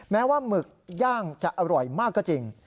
แม้ว่าหมึกย่างจะอร่อยมากก็จริง